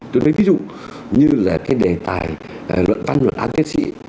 tôi thấy ví dụ như là cái đề tài luận văn luận án thạc sĩ